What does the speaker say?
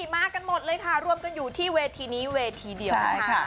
มากันหมดเลยค่ะรวมกันอยู่ที่เวทีนี้เวทีเดียวเลยค่ะ